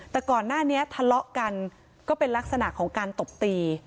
แต่ก่อนหน้านี้ทะเลาะกันก็เป็นลักษณะของการตบตี